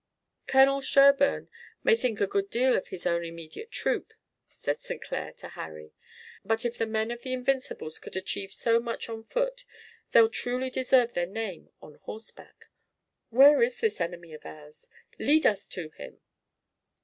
"Colonel Sherburne may think a good deal of his own immediate troop," said St. Clair to Harry, "but if the men of the Invincibles could achieve so much on foot they'll truly deserve their name on horseback. Where is this enemy of ours? Lead us to him."